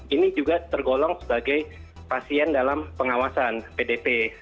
ini juga tergolong sebagai pasien dalam pengawasan pdp